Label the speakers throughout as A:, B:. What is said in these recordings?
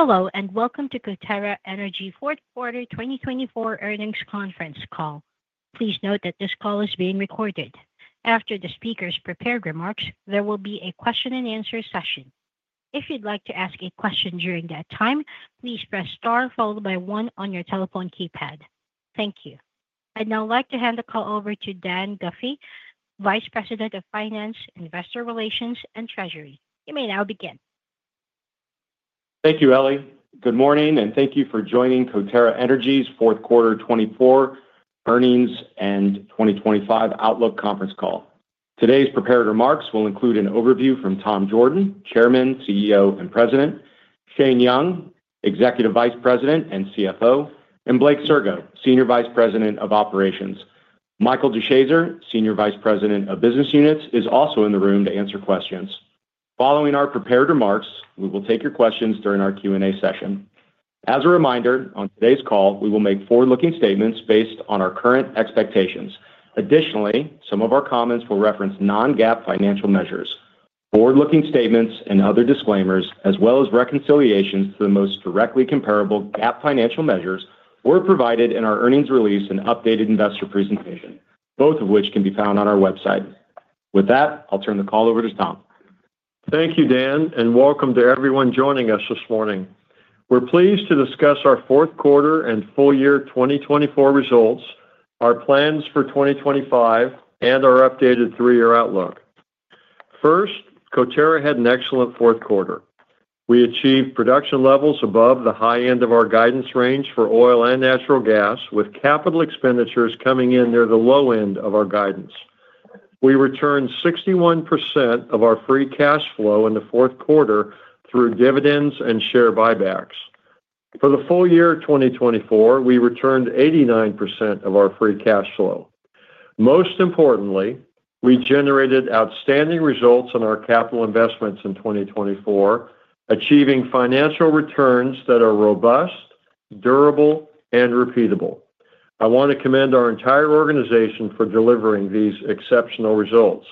A: Hello, and welcome to Coterra Energy's Fourth Quarter 2024 Earnings Conference Call. Please note that this call is being recorded. After the speaker's prepared remarks, there will be a question-and-answer session. If you'd like to ask a question during that time, please press star followed by one on your telephone keypad. Thank you. I'd now like to hand the call over to Dan Guffey, Vice President of Finance, Investor Relations, and Treasury. You may now begin.
B: Thank you, Ellie. Good morning, and thank you for joining Coterra Energy's fourth quarter 2024 earnings and 2025 outlook conference call. Today's prepared remarks will include an overview from Tom Jorden, Chairman, CEO, and President, Shane Young, Executive Vice President and CFO, and Blake Sirgo, Senior Vice President of Operations. Michael DeShazer, Senior Vice President of Business Units, is also in the room to answer questions. Following our prepared remarks, we will take your questions during our Q&A session. As a reminder, on today's call, we will make forward-looking statements based on our current expectations. Additionally, some of our comments will reference Non-GAAP financial measures. Forward-looking statements and other disclaimers, as well as reconciliations to the most directly comparable GAAP financial measures, were provided in our earnings release and updated investor presentation, both of which can be found on our website. With that, I'll turn the call over to Tom.
C: Thank you, Dan, and welcome to everyone joining us this morning. We're pleased to discuss our fourth quarter and full year 2024 results, our plans for 2025, and our updated three-year outlook. First, Coterra had an excellent fourth quarter. We achieved production levels above the high end of our guidance range for oil and natural gas, with capital expenditures coming in near the low end of our guidance. We returned 61% of our free cash flow in the fourth quarter through dividends and share buybacks. For the full year 2024, we returned 89% of our free cash flow. Most importantly, we generated outstanding results on our capital investments in 2024, achieving financial returns that are robust, durable, and repeatable. I want to commend our entire organization for delivering these exceptional results.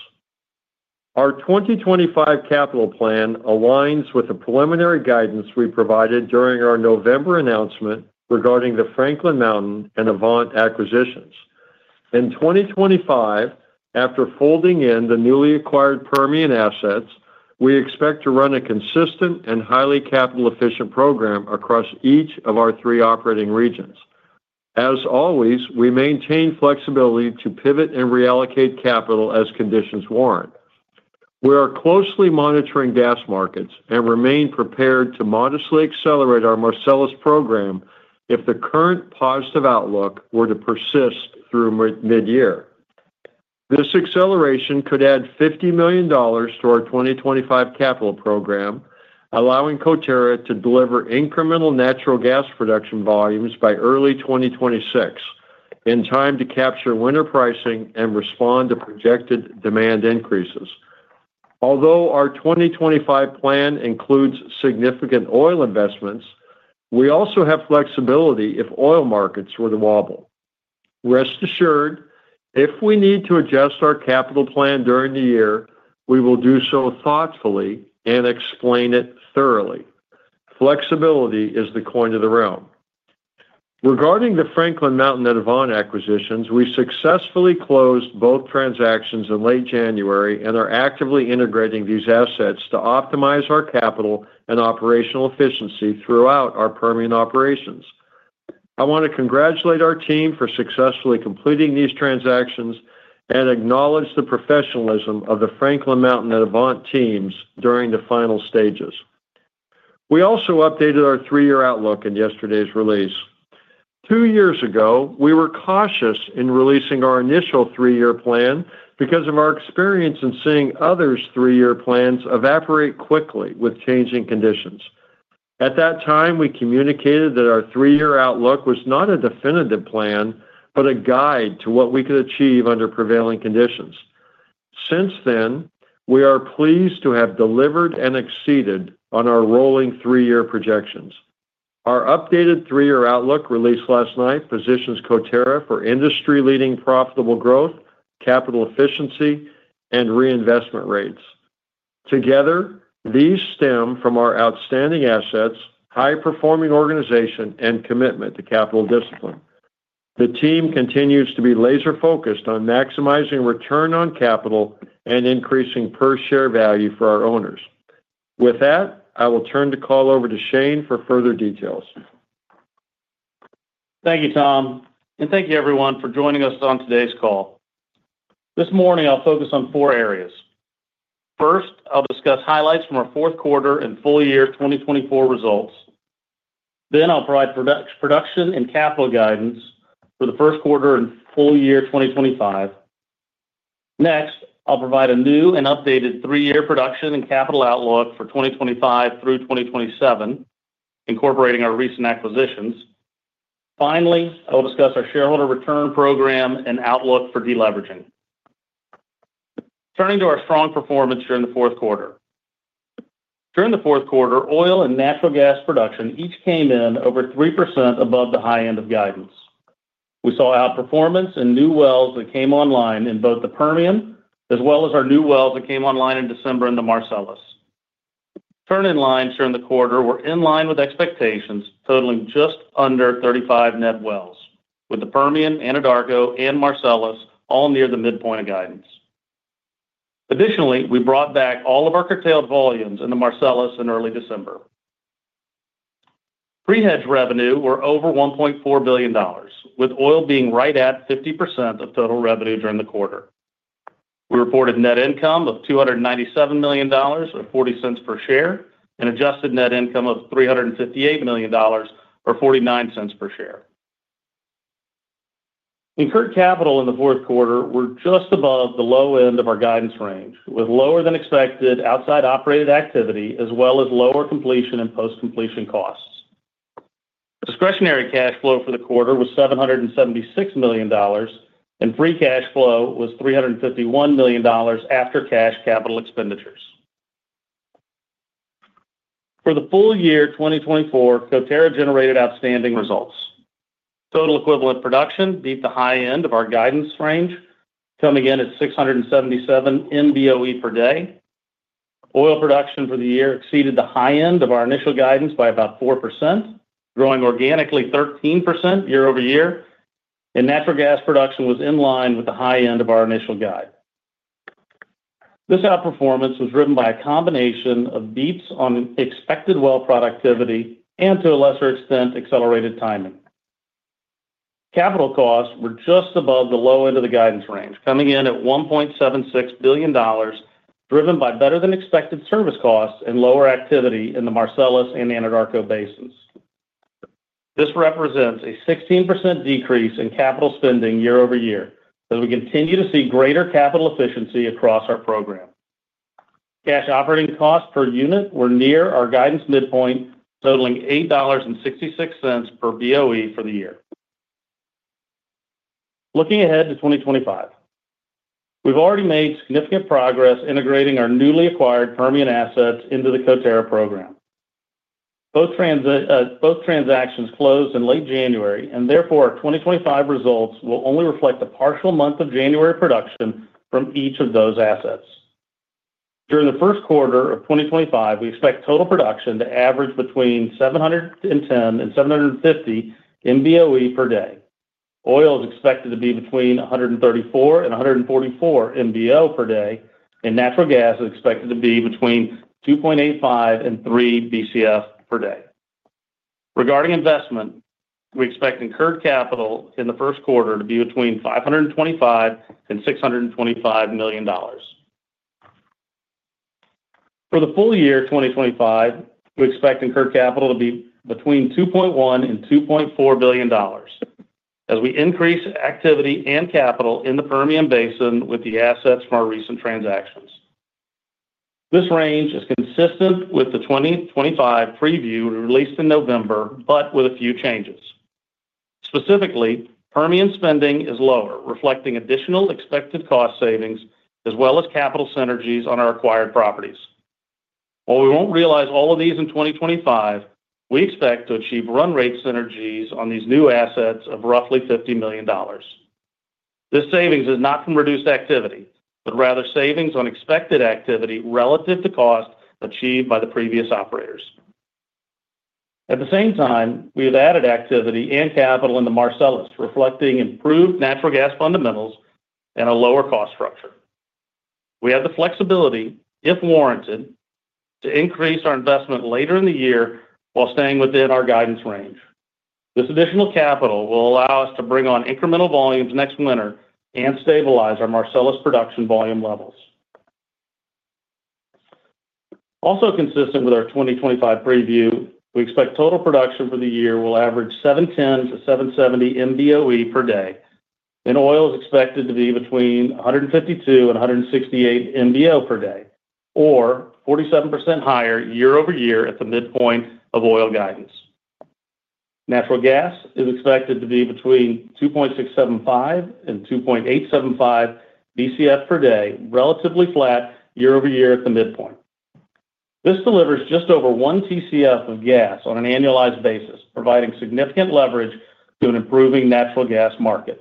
C: Our 2025 capital plan aligns with the preliminary guidance we provided during our November announcement regarding the Franklin Mountain and Avant acquisitions. In 2025, after folding in the newly acquired Permian assets, we expect to run a consistent and highly capital-efficient program across each of our three operating regions. As always, we maintain flexibility to pivot and reallocate capital as conditions warrant. We are closely monitoring gas markets and remain prepared to modestly accelerate our Marcellus program if the current positive outlook were to persist through mid-year. This acceleration could add $50 million to our 2025 capital program, allowing Coterra to deliver incremental natural gas production volumes by early 2026, in time to capture winter pricing and respond to projected demand increases. Although our 2025 plan includes significant oil investments, we also have flexibility if oil markets were to wobble. Rest assured, if we need to adjust our capital plan during the year, we will do so thoughtfully and explain it thoroughly. Flexibility is the coin of the realm. Regarding the Franklin Mountain and Avant acquisitions, we successfully closed both transactions in late January and are actively integrating these assets to optimize our capital and operational efficiency throughout our Permian operations. I want to congratulate our team for successfully completing these transactions and acknowledge the professionalism of the Franklin Mountain and Avant teams during the final stages. We also updated our three-year outlook in yesterday's release. Two years ago, we were cautious in releasing our initial three-year plan because of our experience in seeing others' three-year plans evaporate quickly with changing conditions. At that time, we communicated that our three-year outlook was not a definitive plan, but a guide to what we could achieve under prevailing conditions. Since then, we are pleased to have delivered and exceeded on our rolling three-year projections. Our updated three-year outlook released last night positions Coterra for industry-leading profitable growth, capital efficiency, and reinvestment rates. Together, these stem from our outstanding assets, high-performing organization, and commitment to capital discipline. The team continues to be laser-focused on maximizing return on capital and increasing per-share value for our owners. With that, I will turn the call over to Shane for further details.
D: Thank you, Tom, and thank you, everyone, for joining us on today's call. This morning, I'll focus on four areas. First, I'll discuss highlights from our fourth quarter and full year 2024 results. Then, I'll provide production and capital guidance for the first quarter and full year 2025. Next, I'll provide a new and updated three-year production and capital outlook for 2025 through 2027, incorporating our recent acquisitions. Finally, I will discuss our shareholder return program and outlook for deleveraging. Turning to our strong performance during the fourth quarter. During the fourth quarter, oil and natural gas production each came in over 3% above the high end of guidance. We saw outperformance in new wells that came online in both the Permian as well as our new wells that came online in December in the Marcellus. Turn-in-lines during the quarter were in line with expectations, totaling just under 35 net wells, with the Permian, Anadarko, and Marcellus all near the midpoint of guidance. Additionally, we brought back all of our curtailed volumes in the Marcellus in early December. Hedged revenue were over $1.4 billion, with oil being right at 50% of total revenue during the quarter. We reported net income of $297 million or $0.40 per share and adjusted net income of $358 million or $0.49 per share. Incurred capital in the fourth quarter were just above the low end of our guidance range, with lower-than-expected outside operated activity as well as lower completion and post-completion costs. Discretionary cash flow for the quarter was $776 million, and free cash flow was $351 million after cash capital expenditures. For the full year 2024, Coterra generated outstanding results. Total equivalent production beat the high end of our guidance range, coming in at 677 MBoe per day. Oil production for the year exceeded the high end of our initial guidance by about 4%, growing organically 13% year-over-year, and natural gas production was in line with the high end of our initial guide. This outperformance was driven by a combination of beats on expected well productivity and, to a lesser extent, accelerated timing. Capital costs were just above the low end of the guidance range, coming in at $1.76 billion, driven by better-than-expected service costs and lower activity in the Marcellus and Anadarko basins. This represents a 16% decrease in capital spending year-over-year as we continue to see greater capital efficiency across our program. Cash operating costs per unit were near our guidance midpoint, totaling $8.66 per Boe for the year. Looking ahead to 2025, we've already made significant progress integrating our newly acquired Permian assets into the Coterra program. Both transactions closed in late January, and therefore our 2025 results will only reflect the partial month of January production from each of those assets. During the first quarter of 2025, we expect total production to average between 710 and 750 MBoe per day. Oil is expected to be between 134 and 144 MBo per day, and natural gas is expected to be between 2.85 and 3 Bcf per day. Regarding investment, we expect incurred capital in the first quarter to be between $525 million and $625 million. For the full year 2025, we expect incurred capital to be between $2.1 billion and $2.4 billion as we increase activity and capital in the Permian Basin with the assets from our recent transactions. This range is consistent with the 2025 preview released in November, but with a few changes. Specifically, Permian spending is lower, reflecting additional expected cost savings as well as capital synergies on our acquired properties. While we won't realize all of these in 2025, we expect to achieve run rate synergies on these new assets of roughly $50 million. This savings is not from reduced activity, but rather savings on expected activity relative to cost achieved by the previous operators. At the same time, we have added activity and capital in the Marcellus, reflecting improved natural gas fundamentals and a lower cost structure. We have the flexibility, if warranted, to increase our investment later in the year while staying within our guidance range. This additional capital will allow us to bring on incremental volumes next winter and stabilize our Marcellus production volume levels. Also consistent with our 2025 preview, we expect total production for the year will average 710-770 MBoe per day, and oil is expected to be between 152 and 168 MBo per day, or 47% higher year-over-year at the midpoint of oil guidance. Natural gas is expected to be between 2.675 and 2.875 Bcf per day, relatively flat year-over-year at the midpoint. This delivers just over 1 Tcf of gas on an annualized basis, providing significant leverage to an improving natural gas market.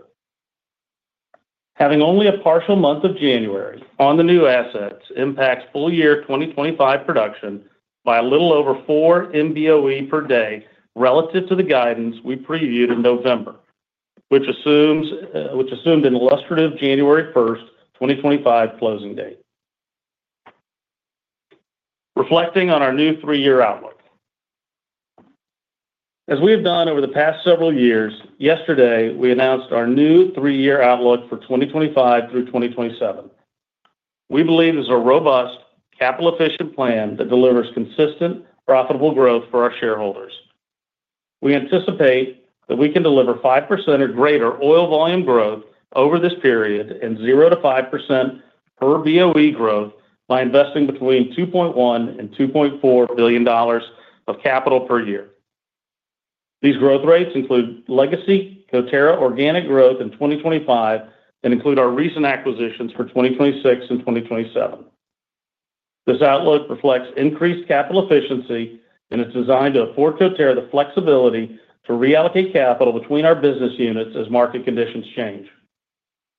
D: Having only a partial month of January on the new assets impacts full year 2025 production by a little over 4 MBoe per day relative to the guidance we previewed in November, which assumed an illustrative January 1st, 2025 closing date. Reflecting on our new three-year outlook, as we have done over the past several years, yesterday we announced our new three-year outlook for 2025 through 2027. We believe this is a robust, capital-efficient plan that delivers consistent, profitable growth for our shareholders. We anticipate that we can deliver 5% or greater oil volume growth over this period and 0%-5% per BOE growth by investing between $2.1 billion and $2.4 billion of capital per year. These growth rates include legacy Coterra organic growth in 2025 and include our recent acquisitions for 2026 and 2027. This outlook reflects increased capital efficiency and is designed to afford Coterra the flexibility to reallocate capital between our business units as market conditions change.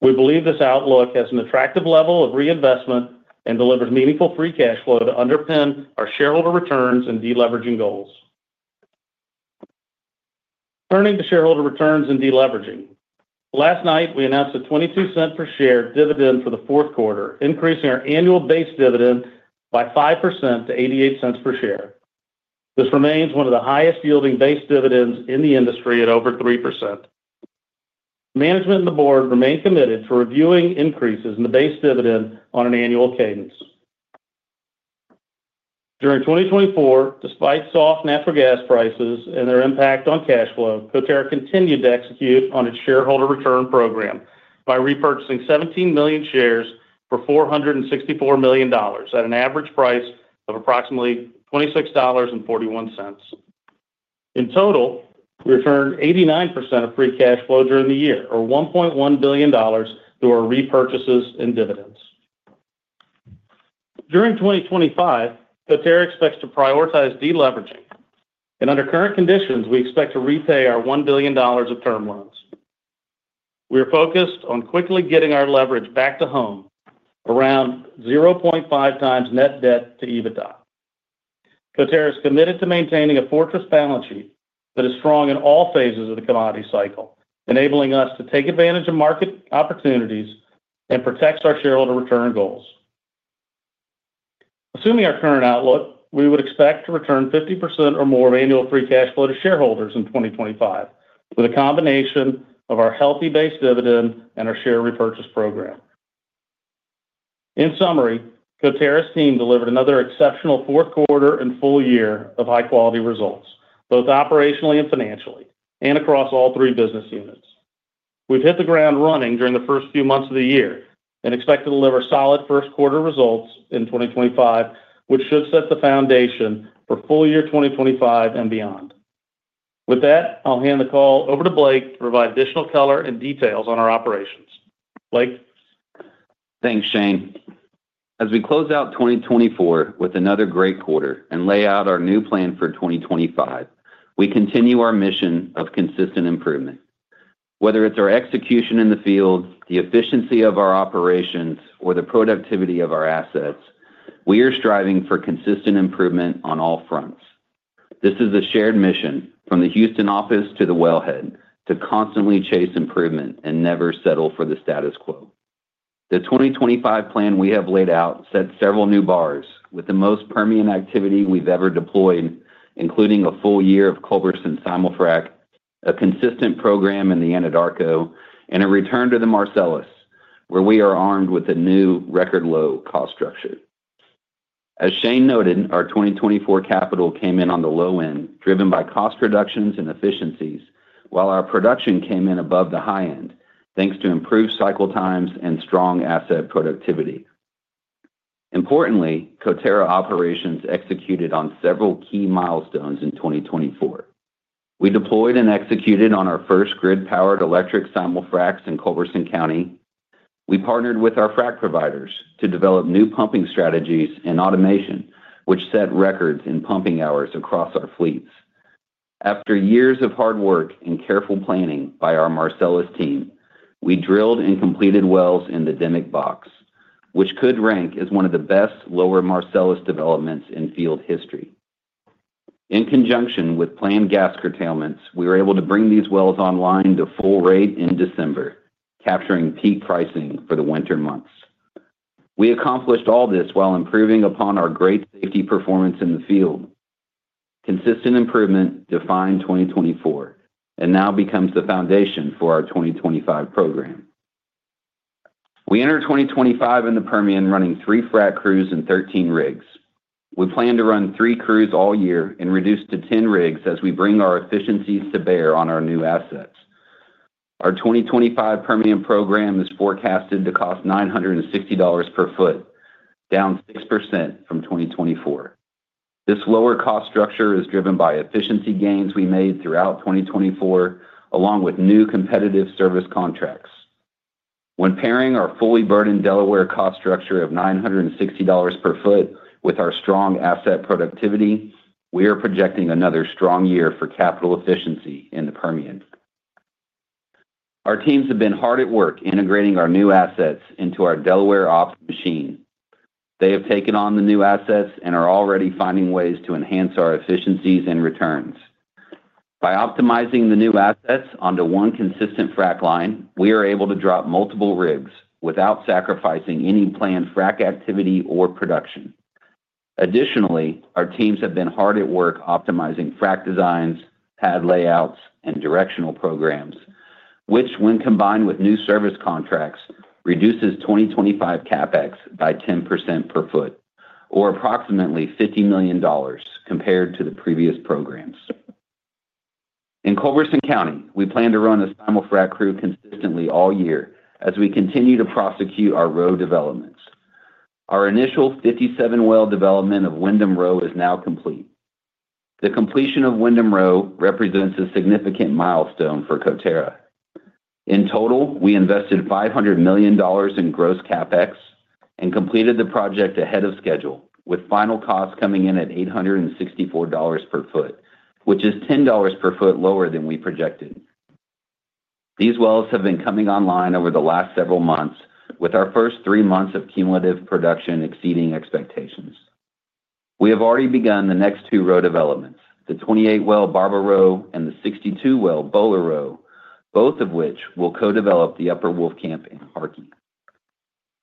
D: We believe this outlook has an attractive level of reinvestment and delivers meaningful free cash flow to underpin our shareholder returns and deleveraging goals. Turning to shareholder returns and deleveraging, last night we announced a $0.22 per share dividend for the fourth quarter, increasing our annual base dividend by 5% to 88 cents per share. This remains one of the highest-yielding base dividends in the industry at over 3%. Management and the board remain committed to reviewing increases in the base dividend on an annual cadence. During 2024, despite soft natural gas prices and their impact on cash flow, Coterra continued to execute on its shareholder return program by repurchasing 17 million shares for $464 million at an average price of approximately $26.41. In total, we returned 89% of free cash flow during the year, or $1.1 billion, through our repurchases and dividends. During 2025, Coterra expects to prioritize deleveraging, and under current conditions, we expect to repay our $1 billion of term loans. We are focused on quickly getting our leverage back to one, around 0.5 times net debt-to-EBITDA. Coterra is committed to maintaining a fortress balance sheet that is strong in all phases of the commodity cycle, enabling us to take advantage of market opportunities and protect our shareholder return goals. Assuming our current outlook, we would expect to return 50% or more of annual free cash flow to shareholders in 2025, with a combination of our healthy base dividend and our share repurchase program. In summary, Coterra's team delivered another exceptional fourth quarter and full year of high-quality results, both operationally and financially, and across all three business units. We've hit the ground running during the first few months of the year and expect to deliver solid first quarter results in 2025, which should set the foundation for full year 2025 and beyond. With that, I'll hand the call over to Blake to provide additional color and details on our operations. Blake.
E: Thanks, Shane. As we close out 2024 with another great quarter and lay out our new plan for 2025, we continue our mission of consistent improvement. Whether it's our execution in the field, the efficiency of our operations, or the productivity of our assets, we are striving for consistent improvement on all fronts. This is a shared mission from the Houston office to the wellhead to constantly chase improvement and never settle for the status quo. The 2025 plan we have laid out set several new bars, with the most Permian activity we've ever deployed, including a full year of Culberson Simul-Frac, a consistent program in the Anadarko, and a return to the Marcellus, where we are armed with a new record-low-cost structure. As Shane noted, our 2024 capital came in on the low end, driven by cost reductions and efficiencies, while our production came in above the high end, thanks to improved cycle times and strong asset productivity. Importantly, Coterra operations executed on several key milestones in 2024. We deployed and executed on our first grid-powered electric Simul-Fracs in Culberson County. We partnered with our frack providers to develop new pumping strategies and automation, which set records in pumping hours across our fleets. After years of hard work and careful planning by our Marcellus team, we drilled and completed wells in the Dimock Box, which could rank as one of the best Lower Marcellus developments in field history. In conjunction with planned gas curtailments, we were able to bring these wells online to full rate in December, capturing peak pricing for the winter months. We accomplished all this while improving upon our great safety performance in the field. Consistent improvement defined 2024 and now becomes the foundation for our 2025 program. We enter 2025 in the Permian running three frack crews and 13 rigs. We plan to run three crews all year and reduce to 10 rigs as we bring our efficiencies to bear on our new assets. Our 2025 Permian program is forecasted to cost $960 per foot, down 6% from 2024. This lower cost structure is driven by efficiency gains we made throughout 2024, along with new competitive service contracts. When pairing our fully burdened Delaware cost structure of $960 per foot with our strong asset productivity, we are projecting another strong year for capital efficiency in the Permian. Our teams have been hard at work integrating our new assets into our Delaware Ops machine. They have taken on the new assets and are already finding ways to enhance our efficiencies and returns. By optimizing the new assets onto one consistent frack line, we are able to drop multiple rigs without sacrificing any planned frack activity or production. Additionally, our teams have been hard at work optimizing frack designs, pad layouts, and directional programs, which, when combined with new service contracts, reduces 2025 CapEx by 10% per foot, or approximately $50 million compared to the previous programs. In Culberson County, we plan to run a Simul-Frac crew consistently all year as we continue to prosecute our row developments. Our initial 57-well development of Windham Row is now complete. The completion of Windham Row represents a significant milestone for Coterra. In total, we invested $500 million in gross CapEx and completed the project ahead of schedule, with final costs coming in at $864 per foot, which is $10 per foot lower than we projected. These wells have been coming online over the last several months, with our first three months of cumulative production exceeding expectations. We have already begun the next two row developments, the 28-well Barber Row and the 62-well Bowler Row, both of which will co-develop the Upper Wolfcamp and Harkey.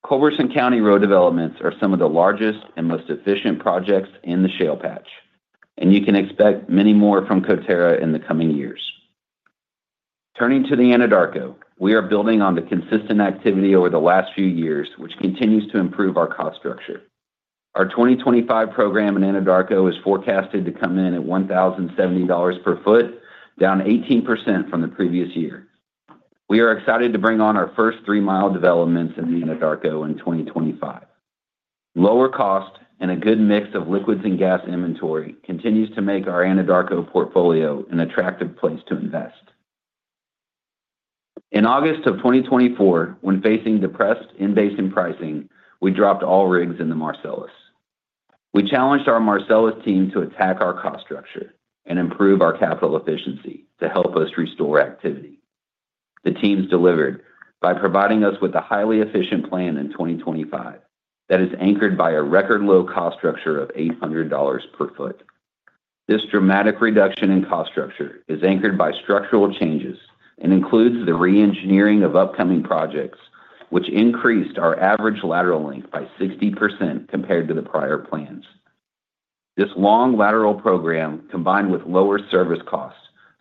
E: Culberson County row developments are some of the largest and most efficient projects in the shale patch, and you can expect many more from Coterra in the coming years. Turning to the Anadarko, we are building on the consistent activity over the last few years, which continues to improve our cost structure. Our 2025 program in Anadarko is forecasted to come in at $1,070 per foot, down 18% from the previous year. We are excited to bring on our first three-mile developments in the Anadarko in 2025. Lower cost and a good mix of liquids and gas inventory continues to make our Anadarko portfolio an attractive place to invest. In August of 2024, when facing depressed in-basin pricing, we dropped all rigs in the Marcellus. We challenged our Marcellus team to attack our cost structure and improve our capital efficiency to help us restore activity. The teams delivered by providing us with a highly efficient plan in 2025 that is anchored by a record-low cost structure of $800 per foot. This dramatic reduction in cost structure is anchored by structural changes and includes the re-engineering of upcoming projects, which increased our average lateral length by 60% compared to the prior plans. This long lateral program, combined with lower service costs,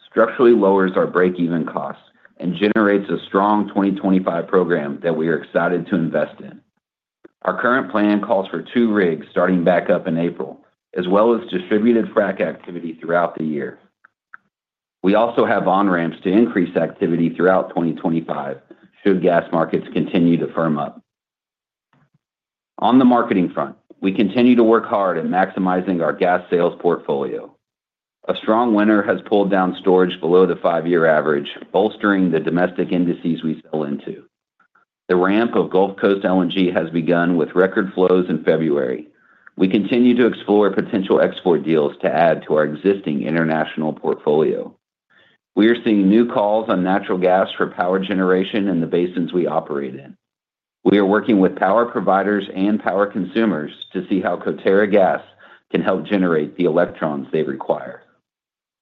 E: structurally lowers our break-even cost and generates a strong 2025 program that we are excited to invest in. Our current plan calls for two rigs starting back up in April, as well as distributed frac activity throughout the year. We also have on-ramps to increase activity throughout 2025 should gas markets continue to firm up. On the marketing front, we continue to work hard at maximizing our gas sales portfolio. A strong winter has pulled down storage below the five-year average, bolstering the domestic indices we sell into. The ramp of Gulf Coast LNG has begun with record flows in February. We continue to explore potential export deals to add to our existing international portfolio. We are seeing new calls on natural gas for power generation in the basins we operate in. We are working with power providers and power consumers to see how Coterra Gas can help generate the electrons they require.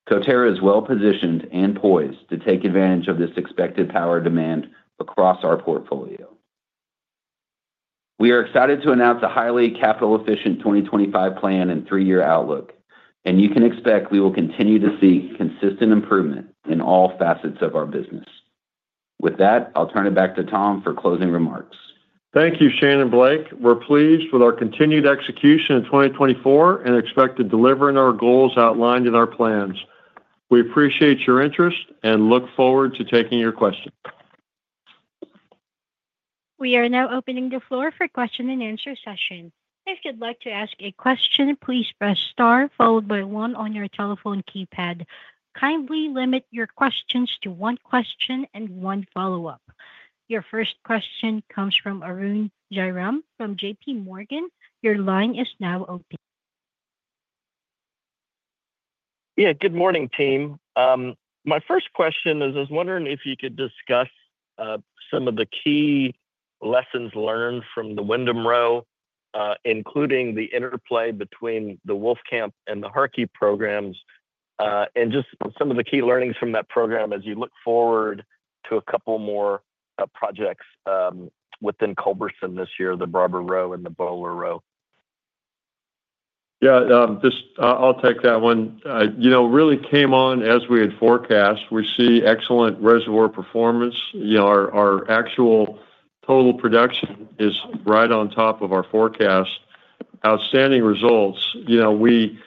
E: Coterra is well-positioned and poised to take advantage of this expected power demand across our portfolio. We are excited to announce a highly capital-efficient 2025 plan and three-year outlook, and you can expect we will continue to see consistent improvement in all facets of our business. With that, I'll turn it back to Tom for closing remarks.
C: Thank you, Shane and Blake. We're pleased with our continued execution in 2024 and expect to deliver on our goals outlined in our plans. We appreciate your interest and look forward to taking your questions.
A: We are now opening the floor for question-and-answer session. If you'd like to ask a question, please press star followed by one on your telephone keypad. Kindly limit your questions to one question and one follow-up. Your first question comes from Arun Jayram from JPMorgan. Your line is now open.
F: Yeah, good morning, team. My first question is, I was wondering if you could discuss some of the key lessons learned from the Windham Row, including the interplay between the Wolfcamp and the Harkey programs, and just some of the key learnings from that program as you look forward to a couple more projects within Culberson this year, the Barber Row and the Bowler Row?
C: Yeah, just I'll take that one. It really came on as we had forecast. We see excellent reservoir performance. Our actual total production is right on top of our forecast. Outstanding results. We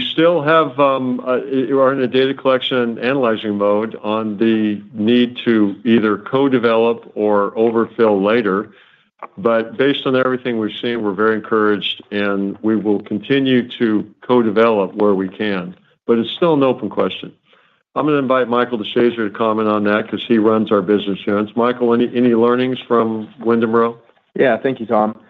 C: still are in a data collection analyzing mode on the need to either co-develop or overfill later. But based on everything we've seen, we're very encouraged, and we will continue to co-develop where we can. But it's still an open question. I'm going to invite Michael DeShazer to comment on that because he runs our business here. And Michael, any learnings from Windham Row?
G: Yeah, thank you, Tom.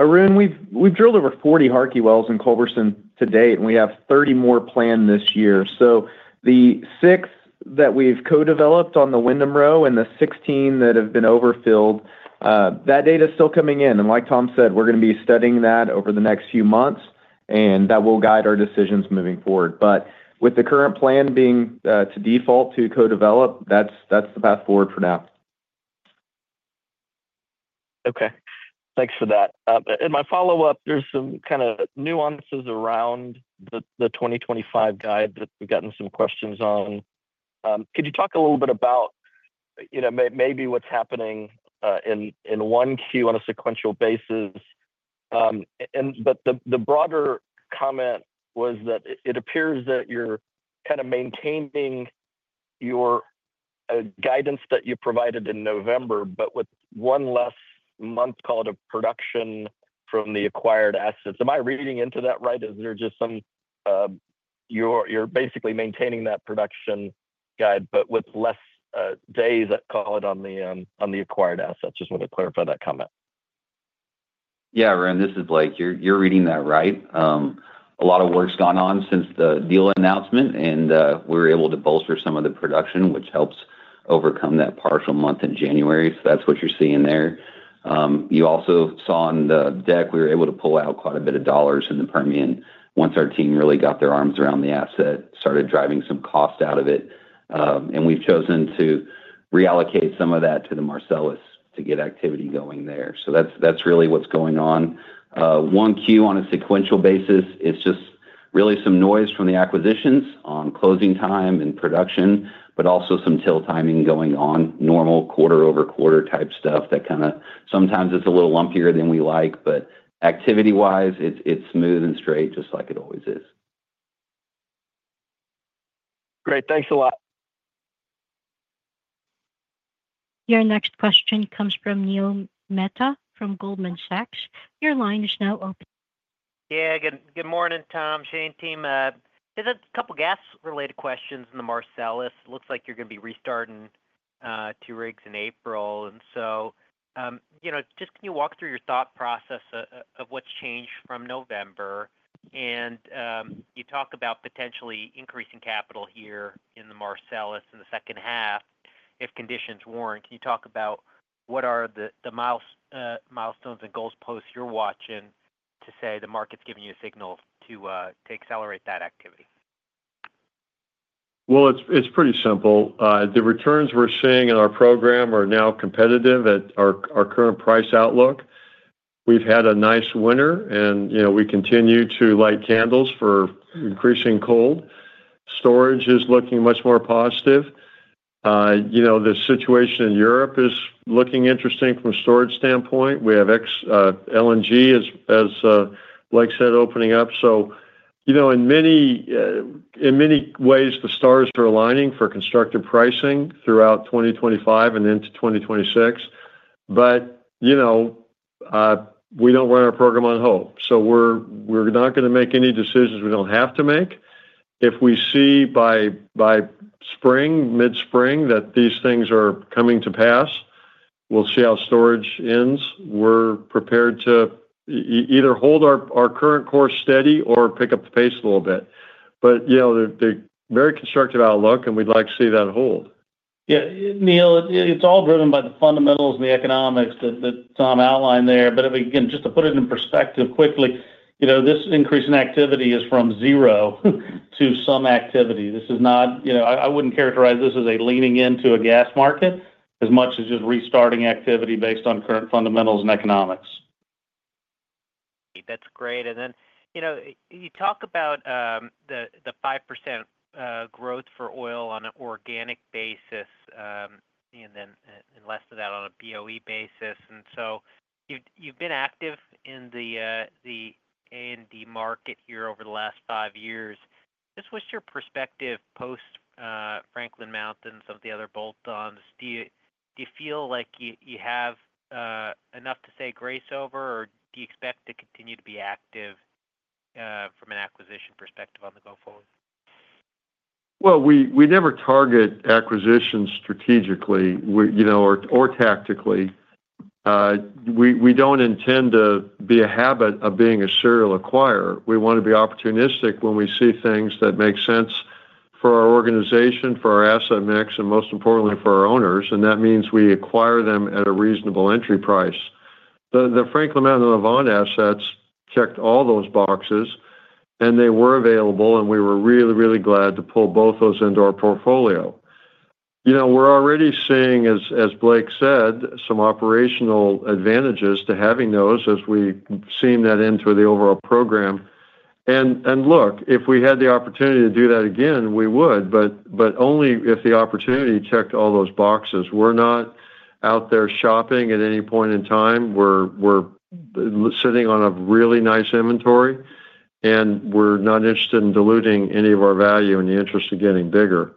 G: Arun, we've drilled over 40 Harkey wells in Culberson to date, and we have 30 more planned this year, so the six that we've co-developed on the Windham Row and the 16 that have been overfilled, that data is still coming in, and like Tom said, we're going to be studying that over the next few months, and that will guide our decisions moving forward, but with the current plan being to default to co-develop, that's the path forward for now.
F: Okay. Thanks for that. In my follow-up, there's some kind of nuances around the 2025 guide that we've gotten some questions on. Could you talk a little bit about maybe what's happening in Q1 on a sequential basis? But the broader comment was that it appears that you're kind of maintaining your guidance that you provided in November, but with one less month, call it, production from the acquired assets. Am I reading into that right? Is there just some you're basically maintaining that production guide, but with less days, call it, on the acquired assets? Just want to clarify that comment.
E: Yeah, Arun, this is Blake. You're reading that right. A lot of work's gone on since the deal announcement, and we were able to bolster some of the production, which helps overcome that partial month in January. So that's what you're seeing there. You also saw on the deck, we were able to pull out quite a bit of dollars in the Permian once our team really got their arms around the asset, started driving some cost out of it. And we've chosen to reallocate some of that to the Marcellus to get activity going there. So that's really what's going on. One Q on a sequential basis is just really some noise from the acquisitions on closing time and production, but also some deal timing going on, normal quarter-over-quarter type stuff that kind of sometimes it's a little lumpier than we like, but activity-wise, it's smooth and straight, just like it always is.
F: Great. Thanks a lot.
A: Your next question comes from Neil Mehta from Goldman Sachs. Your line is now open.
H: Yeah, good morning, Tom, Shane, team. There's a couple of gas-related questions in the Marcellus. It looks like you're going to be restarting two rigs in April. And so just can you walk through your thought process of what's changed from November? And you talk about potentially increasing capital here in the Marcellus in the second half, if conditions warrant. Can you talk about what are the milestones and goalposts you're watching to say the market's giving you a signal to accelerate that activity?
C: It's pretty simple. The returns we're seeing in our program are now competitive at our current price outlook. We've had a nice winter, and we continue to light candles for increasing cold. Storage is looking much more positive. The situation in Europe is looking interesting from a storage standpoint. We have LNG, as Blake said, opening up. In many ways, the stars are aligning for constructive pricing throughout 2025 and into 2026. We don't run our program on hope. We're not going to make any decisions we don't have to make. If we see by spring, mid-spring, that these things are coming to pass, we'll see how storage ends. We're prepared to either hold our current course steady or pick up the pace a little bit. Very constructive outlook, and we'd like to see that hold.
G: Yeah. Neil, it's all driven by the fundamentals and the economics that Tom outlined there. But again, just to put it in perspective quickly, this increase in activity is from zero to some activity. This is not. I wouldn't characterize this as a leaning into a gas market as much as just restarting activity based on current fundamentals and economics.
H: That's great. And then you talk about the 5% growth for oil on an organic basis and then less of that on a BOE basis. And so you've been active in the A&D market here over the last five years. Just what's your perspective post-Franklin Mountain and some of the other bolt-ons? Do you feel like you have enough to say grace over, or do you expect to continue to be active from an acquisition perspective going forward?
C: We never target acquisitions strategically or tactically. We don't intend to make a habit of being a serial acquirer. We want to be opportunistic when we see things that make sense for our organization, for our asset mix, and most importantly, for our owners. That means we acquire them at a reasonable entry price. The Franklin Mountain and Avant assets checked all those boxes, and they were available, and we were really, really glad to pull both those into our portfolio. We're already seeing, as Blake said, some operational advantages to having those as we seam that into the overall program. Look, if we had the opportunity to do that again, we would, but only if the opportunity checked all those boxes. We're not out there shopping at any point in time. We're sitting on a really nice inventory, and we're not interested in diluting any of our value in the interest of getting bigger.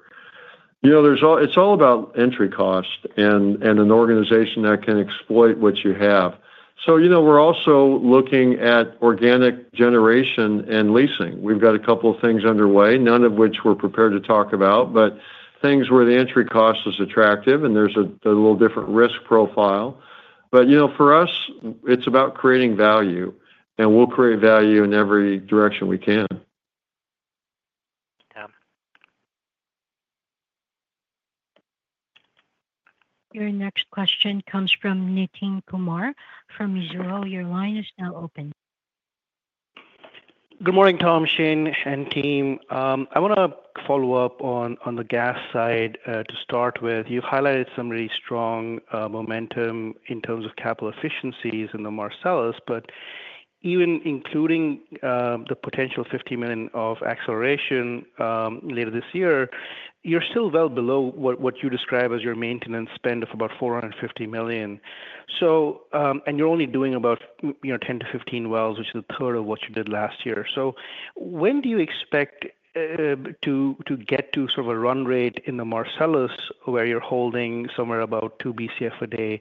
C: It's all about entry cost and an organization that can exploit what you have. So we're also looking at organic generation and leasing. We've got a couple of things underway, none of which we're prepared to talk about, but things where the entry cost is attractive and there's a little different risk profile. But for us, it's about creating value, and we'll create value in every direction we can.
A: Your next question comes from Nitin Kumar from Mizuho. Your line is now open.
I: Good morning, Tom, Shane, and team. I want to follow up on the gas side to start with. You've highlighted some really strong momentum in terms of capital efficiencies in the Marcellus, but even including the potential $50 million of acceleration later this year, you're still well below what you describe as your maintenance spend of about $450 million. And you're only doing about 10-15 wells, which is a third of what you did last year. So when do you expect to get to sort of a run rate in the Marcellus where you're holding somewhere about 2 Bcf a day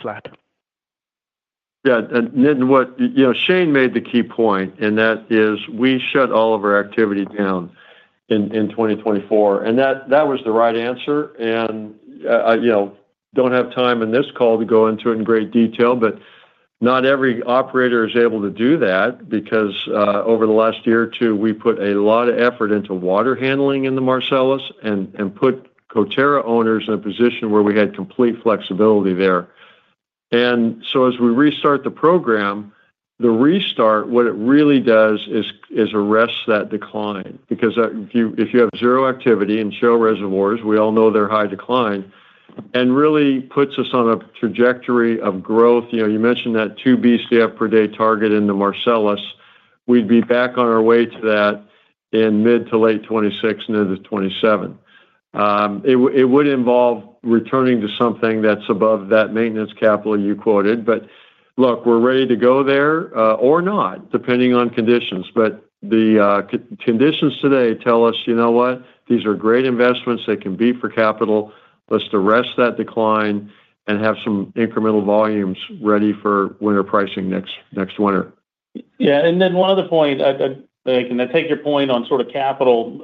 I: flat?
C: Yeah. Shane made the key point, and that is we shut all of our activity down in 2024. And that was the right answer. And I don't have time in this call to go into it in great detail, but not every operator is able to do that because over the last year or two, we put a lot of effort into water handling in the Marcellus and put Coterra ops in a position where we had complete flexibility there. And so as we restart the program, the restart, what it really does is arrest that decline because if you have zero activity and shale reservoirs, we all know they're high decline, and really puts us on a trajectory of growth. You mentioned that 2 Bcf per day target in the Marcellus. We'd be back on our way to that in mid- to late 2026, near the 2027. It would involve returning to something that's above that maintenance capital you quoted. But look, we're ready to go there or not, depending on conditions. But the conditions today tell us, you know what? These are great investments. They can be for capital. Let's arrest that decline and have some incremental volumes ready for winter pricing next winter.
G: Yeah. And then one other point. I can take your point on sort of capital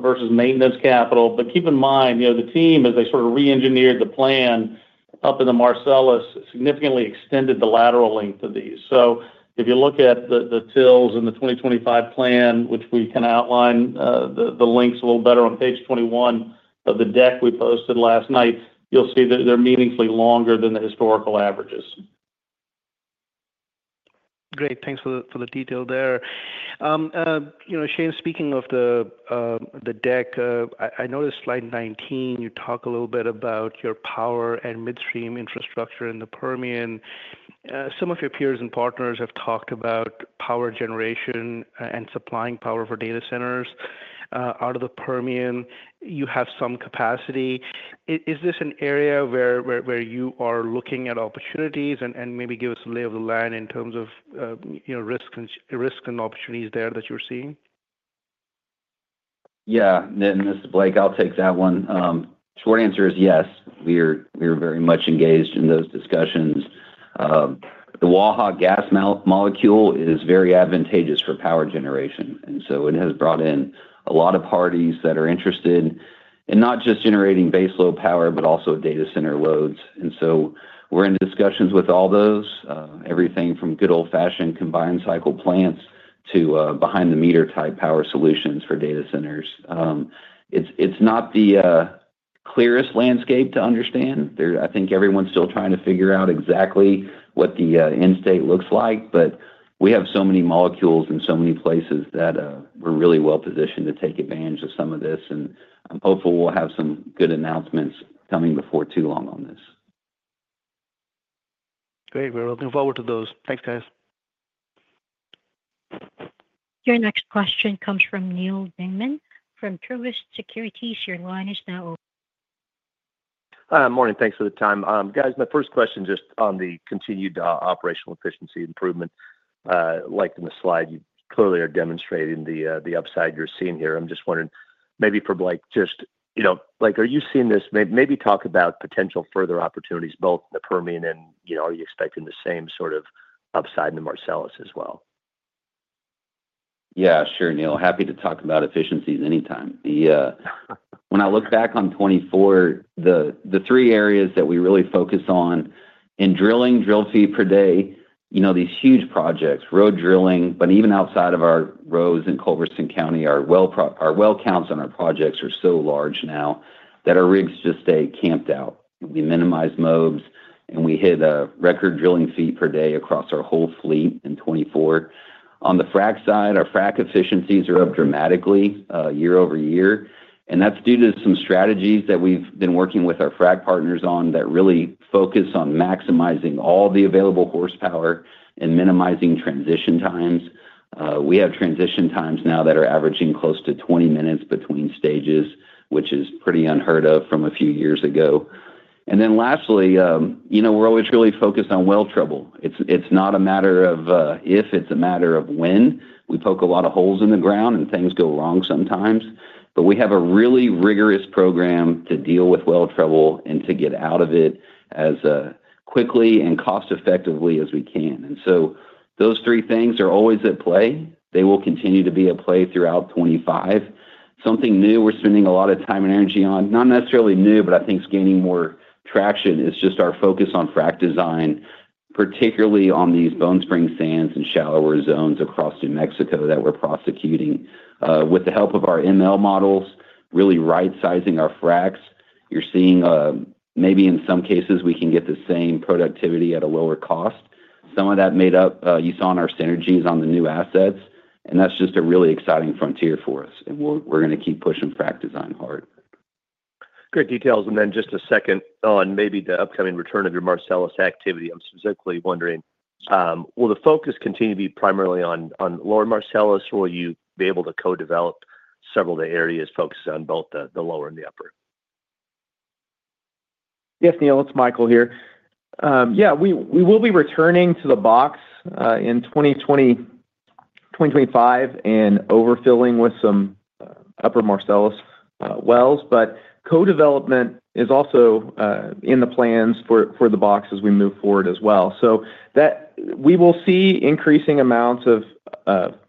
G: versus maintenance capital, but keep in mind the team, as they sort of re-engineered the plan up in the Marcellus, significantly extended the lateral length of these. So if you look at the wells and the 2025 plan, which we can outline the lengths a little better on page 21 of the deck we posted last night, you'll see that they're meaningfully longer than the historical averages.
I: Great. Thanks for the detail there. Shane, speaking of the deck, I noticed slide 19, you talk a little bit about your power and midstream infrastructure in the Permian. Some of your peers and partners have talked about power generation and supplying power for data centers. Out of the Permian, you have some capacity. Is this an area where you are looking at opportunities and maybe give us a lay of the land in terms of risk and opportunities there that you're seeing?
E: Yeah, and this is Blake. I'll take that one. Short answer is yes. We are very much engaged in those discussions. The Waha gas molecule is very advantageous for power generation, and so it has brought in a lot of parties that are interested in not just generating base load power, but also data center loads. And so we're in discussions with all those, everything from good old-fashioned combined cycle plants to behind-the-meter type power solutions for data centers. It's not the clearest landscape to understand. I think everyone's still trying to figure out exactly what the end state looks like. But we have so many molecules in so many places that we're really well positioned to take advantage of some of this, and I'm hopeful we'll have some good announcements coming before too long on this.
I: Great. We're looking forward to those. Thanks, guys.
A: Your next question comes from Neal Dingman from Truist Securities. Your line is now open.
J: Hi, good morning. Thanks for the time. Guys, my first question just on the continued operational efficiency improvement. Like in the slide, you clearly are demonstrating the upside you're seeing here. I'm just wondering maybe for Blake, just Blake, are you seeing this? Maybe talk about potential further opportunities both in the Permian and are you expecting the same sort of upside in the Marcellus as well?
E: Yeah, sure, Neil. Happy to talk about efficiencies anytime. When I look back on 2024, the three areas that we really focused on in drilling, drilling feet per day, these huge projects, row drilling, but even outside of our rows in Culberson County, our well counts on our projects are so large now that our rigs just stay camped out. We minimize mobs, and we hit a record drilling feet per day across our whole fleet in 2024. On the frac side, our frac efficiencies are up dramatically year-over-year. And that's due to some strategies that we've been working with our frac partners on that really focus on maximizing all the available horsepower and minimizing transition times. We have transition times now that are averaging close to 20 minutes between stages, which is pretty unheard of from a few years ago. And then lastly, we're always really focused on well trouble. It's not a matter of if; it's a matter of when. We poke a lot of holes in the ground, and things go wrong sometimes. But we have a really rigorous program to deal with well trouble and to get out of it as quickly and cost-effectively as we can. And so those three things are always at play. They will continue to be at play throughout 2025. Something new we're spending a lot of time and energy on, not necessarily new, but I think it's gaining more traction, is just our focus on frac design, particularly on these Bone Spring sands and shallower zones across New Mexico that we're prosecuting with the help of our ML models, really right-sizing our fracs. You're seeing maybe in some cases we can get the same productivity at a lower cost. Some of that makeup, you saw in our synergies on the new assets. And that's just a really exciting frontier for us. And we're going to keep pushing frac design hard.
J: Great details and then just a second on maybe the upcoming return of your Marcellus activity. I'm specifically wondering, will the focus continue to be primarily on Lower Marcellus, or will you be able to co-develop several of the areas focused on both the lower and the upper?
G: Yes, Neil. It's Michael here. Yeah, we will be returning to the box in 2025 and overfilling with some Upper Marcellus wells. But co-development is also in the plans for the box as we move forward as well. So we will see increasing amounts of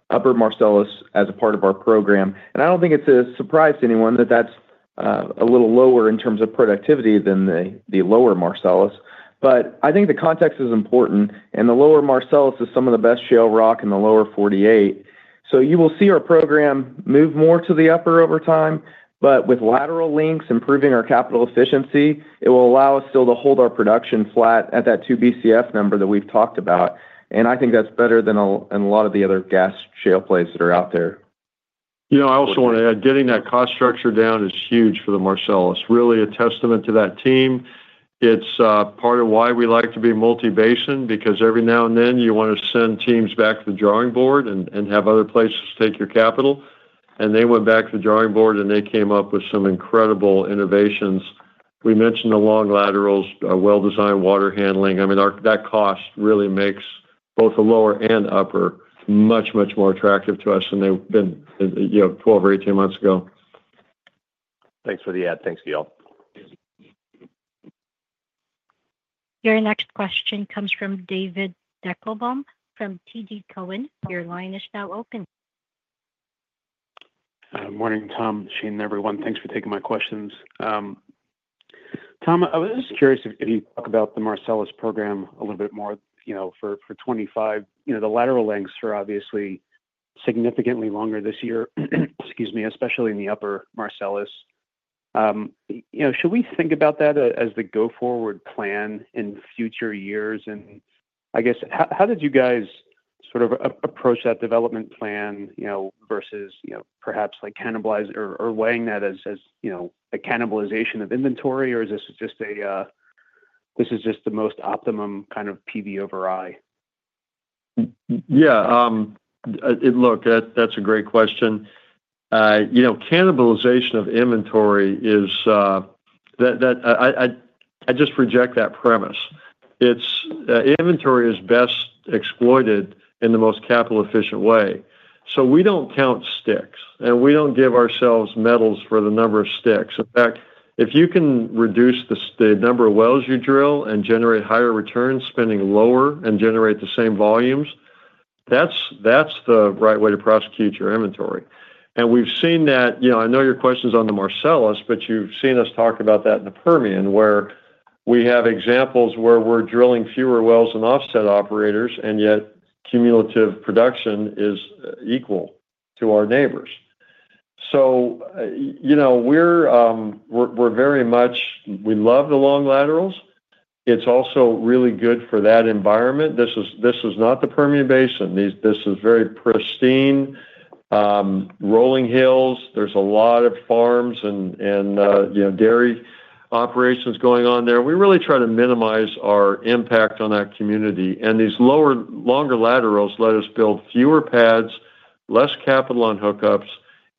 G: Upper Marcellus as a part of our program. And I don't think it's a surprise to anyone that that's a little lower in terms of productivity than the Lower Marcellus. But I think the context is important. And the Lower Marcellus is some of the best shale rock in the lower 48. So you will see our program move more to the upper over time. But with lateral lengths improving our capital efficiency, it will allow us still to hold our production flat at that 2 Bcf number that we've talked about. I think that's better than a lot of the other gas shale plays that are out there.
C: I also want to add getting that cost structure down is huge for the Marcellus. Really a testament to that team. It's part of why we like to be multi-basin because every now and then you want to send teams back to the drawing board and have other places take your capital. And they went back to the drawing board, and they came up with some incredible innovations. We mentioned the long laterals, well-designed water handling. I mean, that cost really makes both the lower and upper much, much more attractive to us than they've been 12 or 18 months ago.
J: Thanks for the ad.
C: Thanks, Neil.
A: Your next question comes from David Deckelbaum from TD Cowen. Your line is now open.
K: Morning, Tom, Shane, and everyone. Thanks for taking my questions. Tom, I was just curious if you could talk about the Marcellus program a little bit more for 2025. The lateral lengths are obviously significantly longer this year, excuse me, especially in the upper Marcellus. Should we think about that as the go-forward plan in future years? And I guess, how did you guys sort of approach that development plan versus perhaps cannibalize or weighing that as a cannibalization of inventory, or is this just the most optimum kind of PV over I?
C: Yeah. Look, that's a great question. Cannibalization of inventory is that I just reject that premise. Inventory is best exploited in the most capital-efficient way, so we don't count sticks, and we don't give ourselves medals for the number of sticks. In fact, if you can reduce the number of wells you drill and generate higher returns, spending lower and generate the same volumes, that's the right way to prosecute your inventory, and we've seen that. I know your question's on the Marcellus, but you've seen us talk about that in the Permian, where we have examples where we're drilling fewer wells than offset operators, and yet cumulative production is equal to our neighbors, so we're very much. We love the long laterals. It's also really good for that environment. This is not the Permian Basin. This is very pristine rolling hills. There's a lot of farms and dairy operations going on there. We really try to minimize our impact on that community, and these longer laterals let us build fewer pads, less capital on hookups.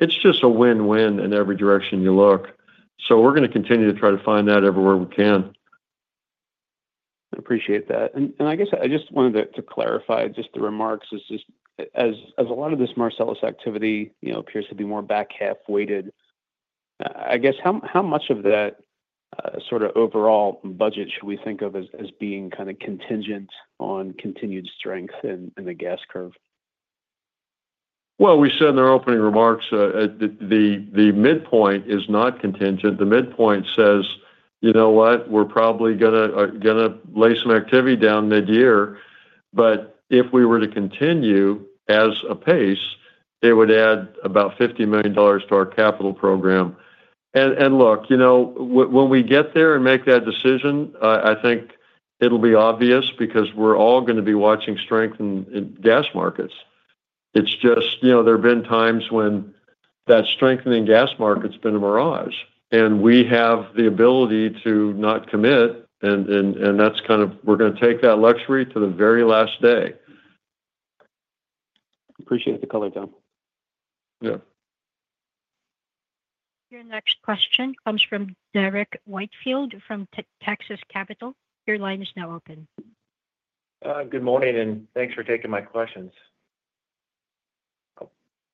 C: It's just a win-win in every direction you look, so we're going to continue to try to find that everywhere we can.
K: I appreciate that and I guess I just wanted to clarify just the remarks is just as a lot of this Marcellus activity appears to be more back half-weighted, I guess how much of that sort of overall budget should we think of as being kind of contingent on continued strength in the gas curve?
C: We said in our opening remarks that the midpoint is not contingent. The midpoint says, you know what? We're probably going to lay some activity down mid-year. But if we were to continue as a pace, it would add about $50 million to our capital program. And look, when we get there and make that decision, I think it'll be obvious because we're all going to be watching strength in gas markets. It's just there have been times when that strengthening gas market's been a mirage. And we have the ability to not commit, and that's kind of we're going to take that luxury to the very last day.
K: Appreciate the color, Tom.
C: Yeah.
A: Your next question comes from Derrick Whitfield from Texas Capital. Your line is now open.
L: Good morning, and thanks for taking my questions.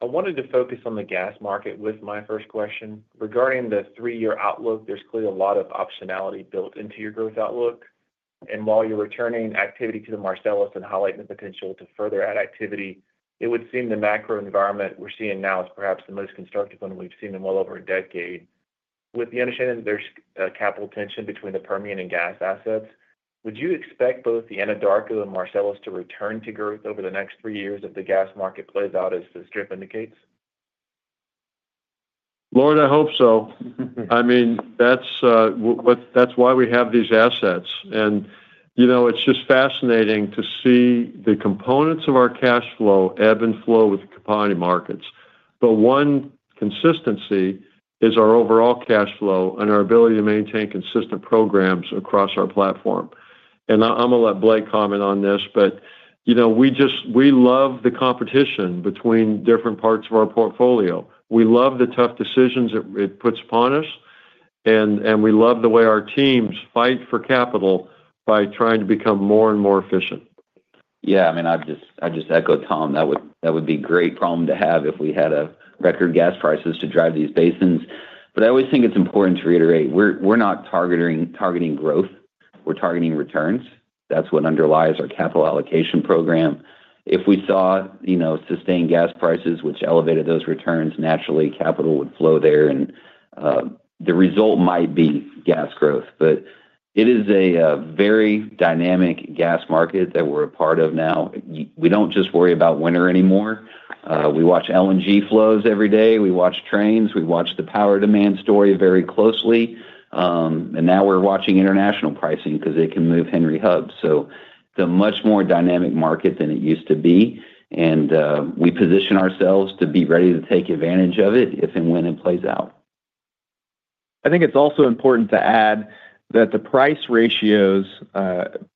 L: I wanted to focus on the gas market with my first question. Regarding the three-year outlook, there's clearly a lot of optionality built into your growth outlook, and while you're returning activity to the Marcellus and highlighting the potential to further add activity, it would seem the macro environment we're seeing now is perhaps the most constructive one we've seen in well over a decade. With the understanding that there's capital tension between the Permian and gas assets, would you expect both the Anadarko and Marcellus to return to growth over the next three years if the gas market plays out as the script indicates?
C: Lord, I hope so. I mean, that's why we have these assets, and it's just fascinating to see the components of our cash flow ebb and flow with the commodity markets, but one consistency is our overall cash flow and our ability to maintain consistent programs across our platform, and I'm going to let Blake comment on this, but we love the competition between different parts of our portfolio. We love the tough decisions it puts upon us, and we love the way our teams fight for capital by trying to become more and more efficient.
E: Yeah. I mean, I just echo Tom. That would be a great problem to have if we had a record gas prices to drive these basins. But I always think it's important to reiterate, we're not targeting growth. We're targeting returns. That's what underlies our capital allocation program. If we saw sustained gas prices, which elevated those returns, naturally capital would flow there. And the result might be gas growth. But it is a very dynamic gas market that we're a part of now. We don't just worry about winter anymore. We watch LNG flows every day. We watch trains. We watch the power demand story very closely. And now we're watching international pricing because it can move Henry Hub. So it's a much more dynamic market than it used to be. And we position ourselves to be ready to take advantage of it if and when it plays out. I think it's also important to add that the price ratios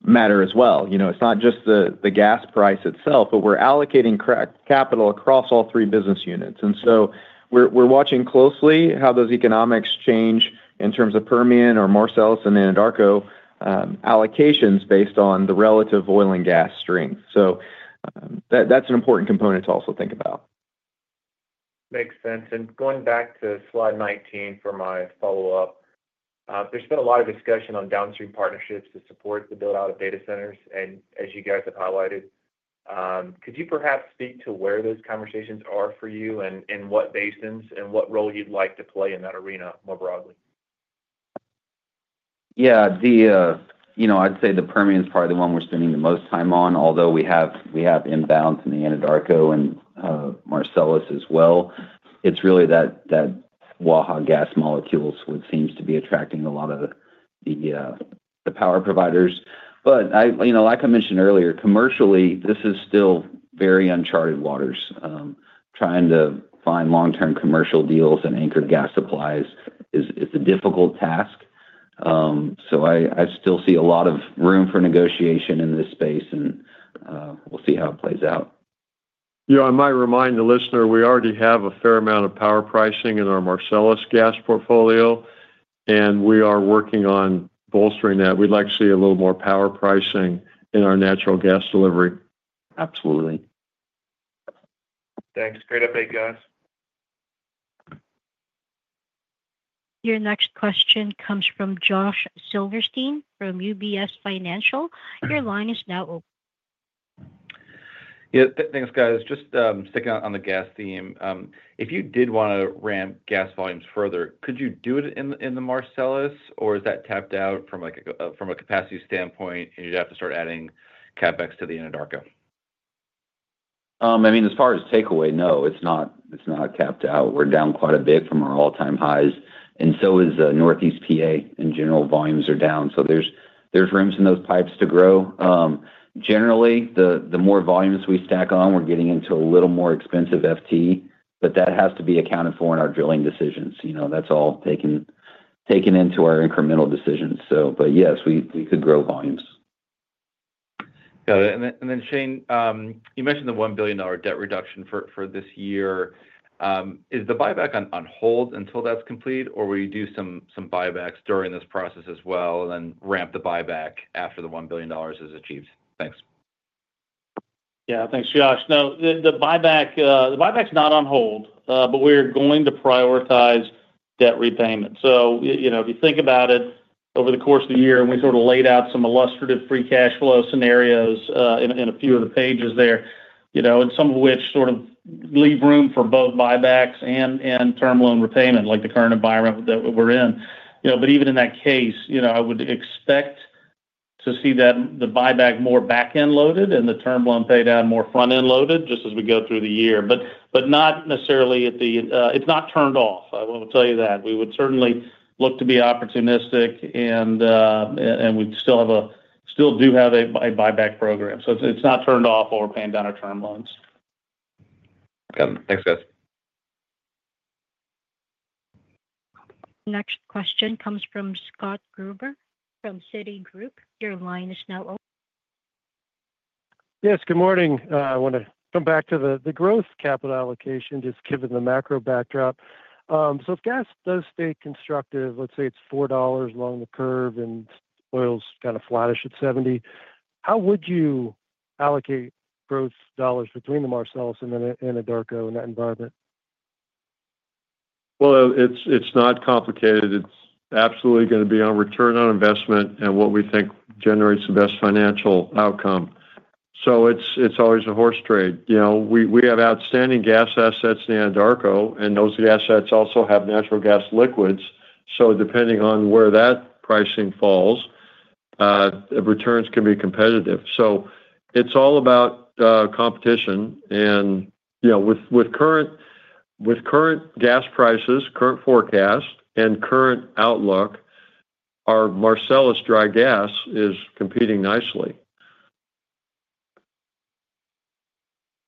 E: matter as well. It's not just the gas price itself, but we're allocating capital across all three business units. And so we're watching closely how those economics change in terms of Permian or Marcellus and Anadarko allocations based on the relative oil and gas strength. So that's an important component to also think about.
L: Makes sense. And going back to slide 19 for my follow-up, there's been a lot of discussion on downstream partnerships to support the build-out of data centers. And as you guys have highlighted, could you perhaps speak to where those conversations are for you and what basins and what role you'd like to play in that arena more broadly?
E: Yeah. I'd say the Permian is probably the one we're spending the most time on, although we have inbounds in the Anadarko and Marcellus as well. It's really that Waha gas molecules what seems to be attracting a lot of the power providers. But like I mentioned earlier, commercially, this is still very uncharted waters. Trying to find long-term commercial deals and anchored gas supplies is a difficult task. So I still see a lot of room for negotiation in this space, and we'll see how it plays out.
C: Yeah. I might remind the listener, we already have a fair amount of power pricing in our Marcellus gas portfolio, and we are working on bolstering that. We'd like to see a little more power pricing in our natural gas delivery.
L: Absolutely. Thanks. Great update, guys.
A: Your next question comes from Josh Silverstein from UBS Financial. Your line is now open.
M: Yeah. Thanks, guys. Just sticking on the gas theme. If you did want to ramp gas volumes further, could you do it in the Marcellus, or is that tapped out from a capacity standpoint, and you'd have to start adding CapEx to the Anadarko?
E: I mean, as far as takeaway, no, it's not tapped out. We're down quite a bit from our all-time highs. And so is Northeast PA in general. Volumes are down. So there's room in those pipes to grow. Generally, the more volumes we stack on, we're getting into a little more expensive FT, but that has to be accounted for in our drilling decisions. That's all taken into our incremental decisions. But yes, we could grow volumes.
M: Got it. And then, Shane, you mentioned the $1 billion debt reduction for this year. Is the buyback on hold until that's complete, or will you do some buybacks during this process as well and then ramp the buyback after the $1 billion is achieved? Thanks.
G: Yeah. Thanks, Josh. No, the buyback's not on hold, but we're going to prioritize debt repayment. So if you think about it, over the course of the year, we sort of laid out some illustrative free cash flow scenarios in a few of the pages there, some of which sort of leave room for both buybacks and term loan repayment, like the current environment that we're in. But even in that case, I would expect to see the buyback more back-end loaded and the term loan paydown more front-end loaded just as we go through the year. But not necessarily at the it's not turned off. I will tell you that. We would certainly look to be opportunistic, and we still do have a buyback program. So it's not turned off while we're paying down our term loans.
M: Got it. Thanks, guys.
A: Next question comes from Scott Gruber from Citigroup. Your line is now open.
N: Yes. Good morning. I want to come back to the growth capital allocation just given the macro backdrop. So if gas does stay constructive, let's say it's $4 along the curve and oil's kind of flattish at 70, how would you allocate growth dollars between the Marcellus and the Anadarko in that environment?
C: It's not complicated. It's absolutely going to be on return on investment and what we think generates the best financial outcome. It's always a horse trade. We have outstanding gas assets in the Anadarko, and those gas assets also have natural gas liquids. Depending on where that pricing falls, the returns can be competitive. It's all about competition. With current gas prices, current forecast, and current outlook, our Marcellus dry gas is competing nicely.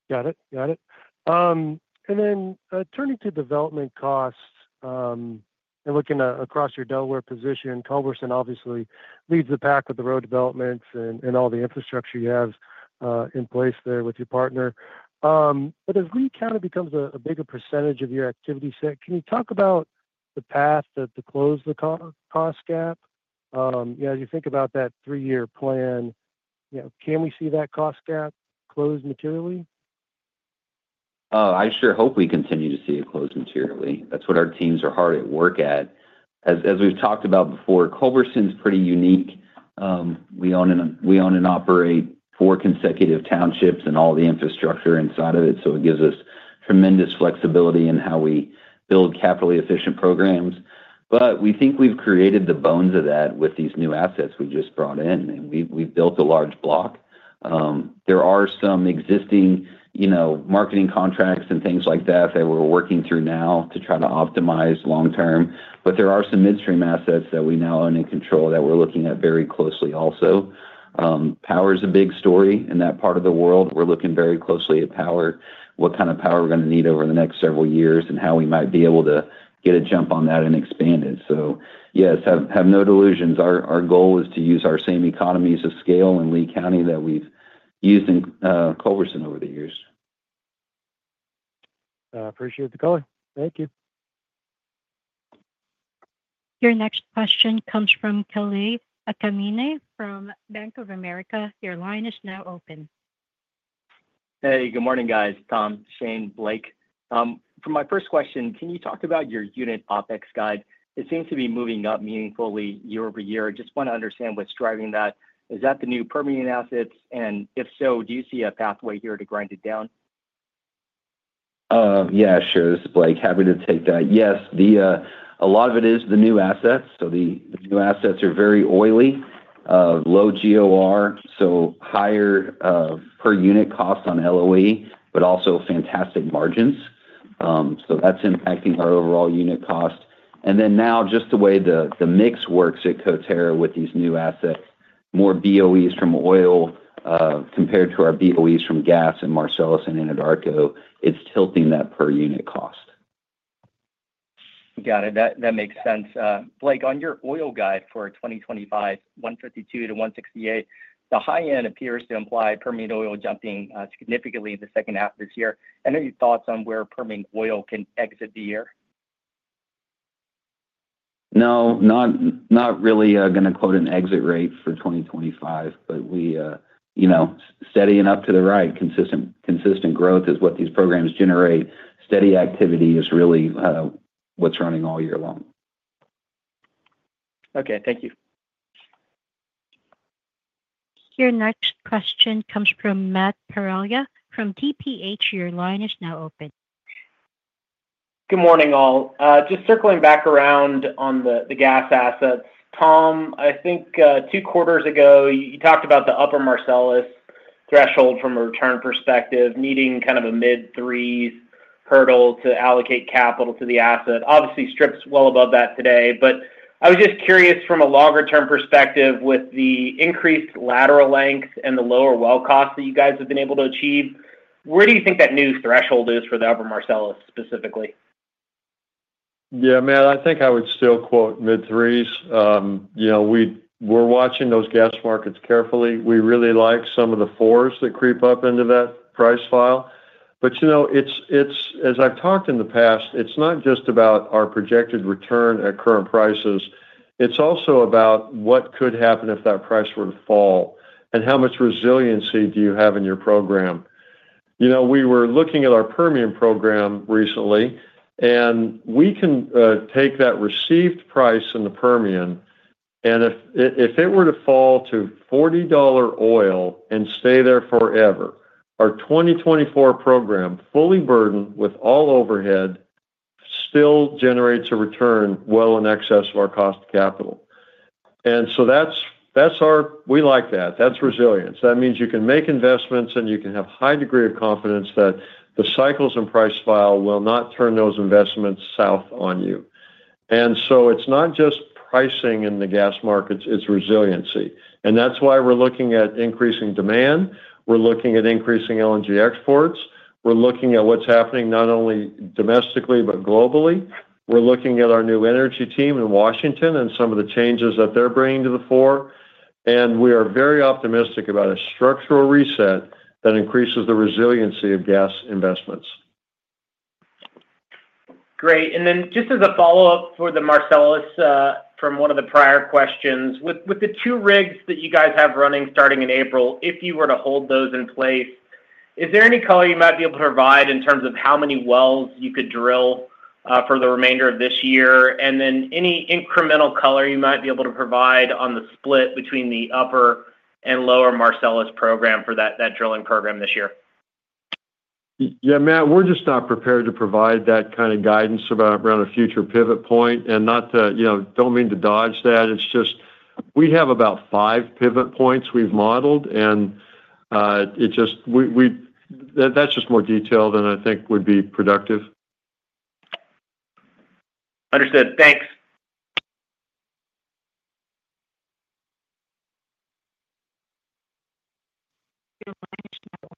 N: Got it. Got it. And then turning to development costs and looking across your Delaware position, Culberson, obviously, leads the pack with the row developments and all the infrastructure you have in place there with your partner. But as Lea County becomes a bigger percentage of your activity set, can you talk about the path to close the cost gap? As you think about that three-year plan, can we see that cost gap closed materially?
E: I sure hope we continue to see it closed materially. That's what our teams are hard at work at. As we've talked about before, Culberson is pretty unique. We own and operate four consecutive townships and all the infrastructure inside of it. So it gives us tremendous flexibility in how we build capital-efficient programs. But we think we've created the bones of that with these new assets we just brought in, and we've built a large block. There are some existing marketing contracts and things like that that we're working through now to try to optimize long-term. But there are some midstream assets that we now own and control that we're looking at very closely also. Power is a big story in that part of the world. We're looking very closely at power, what kind of power we're going to need over the next several years, and how we might be able to get a jump on that and expand it. So yes, have no delusions. Our goal is to use our same economies of scale in Lea County that we've used in Culberson County over the years.
N: Appreciate the call. Thank you.
A: Your next question comes from Kalei Akamine from Bank of America. Your line is now open.
O: Hey. Good morning, guys. Tom, Shane, Blake. For my first question, can you talk about your unit OpEx guide? It seems to be moving up meaningfully year-over-year. Just want to understand what's driving that. Is that the new Permian assets? And if so, do you see a pathway here to grind it down?
E: Yeah. Sure. This is Blake. Happy to take that. Yes. A lot of it is the new assets. So the new assets are very oily, low GOR, so higher per unit cost on LOE, but also fantastic margins. So that's impacting our overall unit cost, and then now just the way the mix works at Coterra with these new assets, more BOEs from oil compared to our BOEs from gas in Marcellus and Anadarko, it's tilting that per unit cost.
N: Got it. That makes sense. Blake, on your oil guide for 2025, 152-168, the high end appears to imply Permian oil jumping significantly in the second half of this year. Any thoughts on where Permian oil can exit the year?
E: No, not really going to quote an exit rate for 2025, but steadying up to the right, consistent growth is what these programs generate. Steady activity is really what's running all year long.
N: Okay. Thank you.
A: Your next question comes from Matt Portillo. From TPH, your line is now open.
P: Good morning, all. Just circling back around on the gas assets. Tom, I think two quarters ago, you talked about the upper Marcellus threshold from a return perspective, needing kind of a mid-threes hurdle to allocate capital to the asset. Obviously, strips well above that today. But I was just curious from a longer-term perspective with the increased lateral length and the lower well cost that you guys have been able to achieve, where do you think that new threshold is for the upper Marcellus specifically?
C: Yeah. Man, I think I would still quote mid-threes. We're watching those gas markets carefully. We really like some of the fours that creep up into that price profile. But as I've talked in the past, it's not just about our projected return at current prices. It's also about what could happen if that price were to fall and how much resiliency do you have in your program. We were looking at our Permian program recently, and we can take that received price in the Permian. And if it were to fall to $40 oil and stay there forever, our 2024 program, fully burdened with all overhead, still generates a return well in excess of our cost of capital. And so we like that. That's resilience. That means you can make investments, and you can have a high degree of confidence that the cycles and price volatility will not turn those investments south on you, and so it's not just pricing in the gas markets. It's resiliency, and that's why we're looking at increasing demand. We're looking at increasing LNG exports. We're looking at what's happening not only domestically, but globally. We're looking at our new energy team in Washington and some of the changes that they're bringing to the fore, and we are very optimistic about a structural reset that increases the resiliency of gas investments.
P: Great. And then just as a follow-up for the Marcellus from one of the prior questions, with the two rigs that you guys have running starting in April, if you were to hold those in place, is there any color you might be able to provide in terms of how many wells you could drill for the remainder of this year? And then any incremental color you might be able to provide on the split between the upper and Lower Marcellus program for that drilling program this year?
C: Yeah. Man, we're just not prepared to provide that kind of guidance around a future pivot point. I don't mean to dodge that. It's just we have about five pivot points we've modeled, and that's just more detail than I think would be productive.
P: Understood. Thanks.
A: Your line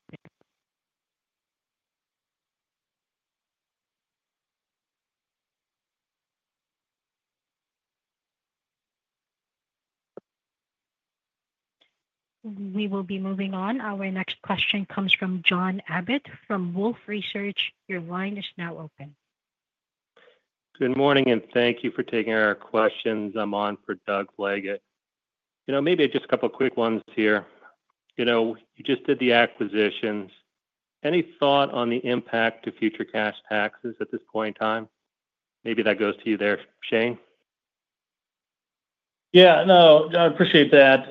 A: is now open. We will be moving on. Our next question comes from John Abbott from Wolfe Research. Your line is now open.
Q: Good morning, and thank you for taking our questions. I'm on for Doug Leggate. Maybe just a couple of quick ones here. You just did the acquisitions. Any thought on the impact to future cash taxes at this point in time? Maybe that goes to you there, Shane.
D: Yeah. No, I appreciate that.